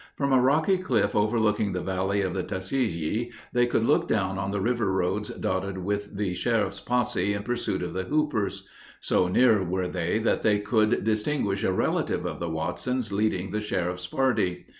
From a rocky cliff overlooking the valley of the Tuckasegee they could look down on the river roads dotted with the sheriff's posse in pursuit of the Hoopers. So near were they that they could distinguish a relative of the Watsons leading the sheriff's party.